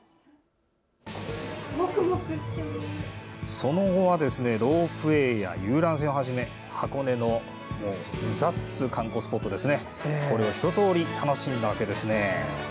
その後はロープウエーや遊覧船をはじめ箱根の観光スポットを一とおり楽しんだわけですね。